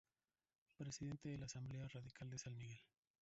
Presidente de la Asamblea Radical de San Miguel.